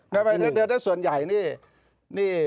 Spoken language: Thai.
เดี๋ยวส่วนใหญ่นี่